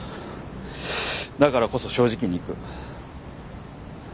だからこそ正直にいく。